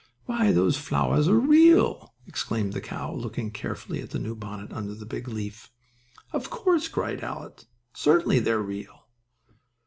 Why, those flowers are real!" exclaimed the cow, looking carefully at the new bonnet under the big leaf. "Of course," cried Alice, "certainly they are real."